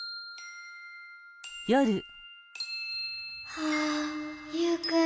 はぁユウくん。